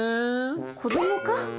子どもか！